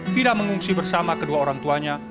fida mengungsi bersama kedua orang tuanya